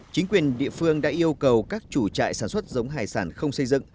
chính quyền địa phương đã yêu cầu các chủ trại sản xuất giống hải sản không xây dựng